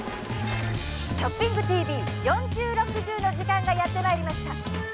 「ショッピングＴＶ４０／６０」の時間がやってまいりました。